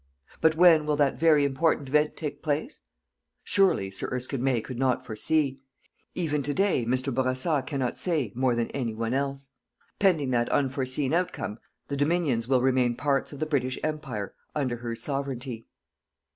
But when will that very important event take place? Surely, Sir Erskine May could not foresee. Even to day Mr. Bourassa cannot say more than any one else. Pending that unforeseen outcome, the Dominions will remain parts of the British Empire under her Sovereignty.